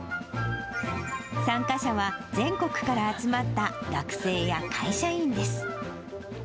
参加者は全国から集まった学生や会社員です。